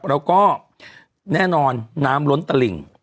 แล้วก็แน่นอนน้ำล้นตลิ่ง